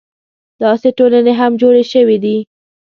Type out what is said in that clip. داسې ټولنې هم جوړې شوې دي.